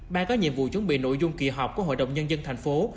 ban có nhiệm vụ chuẩn bị nội dung kỳ họp của hội đồng nhân dân thành phố